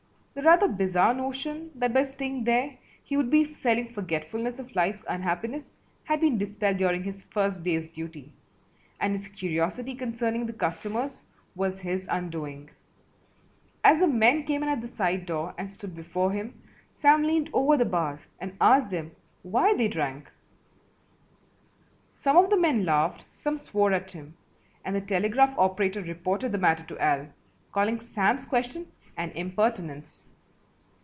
The rather bizarre notion that by staying there he would be selling forgetfulness of life's unhappiness had been dispelled during his first day's duty, and his curiosity concerning the customers was his undoing. As the men came in at the side door and stood before him Sam leaned over the bar and asked them why they drank. Some of the men laughed, some swore at him, and the telegraph operator reported the matter to Al, calling Sam's question an impertinence.